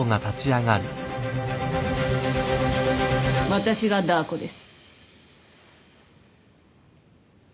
私がダー子です。